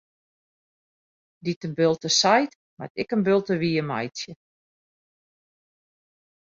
Dy't in bulte seit, moat ek in bulte wiermeitsje.